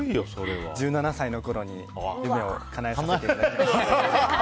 １７歳のころに夢をかなえさせていただきました。